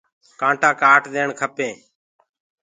ڪآٽآ ڪآٽ ديڻ کپينٚ۔